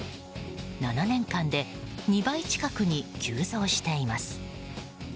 ７年間で２倍近くに急増しています。